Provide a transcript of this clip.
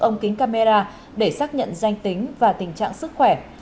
ống kính camera để xác nhận danh tính và tình trạng sức khỏe